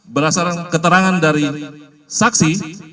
berdasarkan keterangan dari saksi